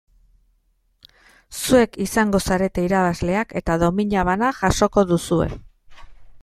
Zuek izango zarete irabazleak eta domina bana jasoko duzue.